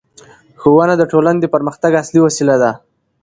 ښوونه د ټولنې د پرمختګ اصلي وسیله ده